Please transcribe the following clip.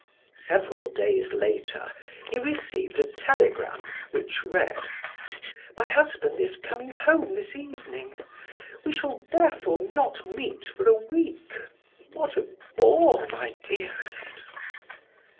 Several days later he received a telegram which read: "My husband is coming home this evening. We shall therefore not meet for a week. What a bore, my dearest!"